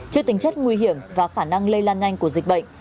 trước tình chất nguy hiểm và khả năng lây lan nhanh của dịch bệnh